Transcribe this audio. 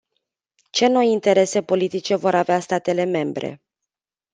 Ce noi interese politice vor avea statele membre?